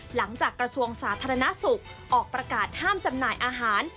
กระทรวงสาธารณสุขออกประกาศห้ามจำหน่ายอาหาร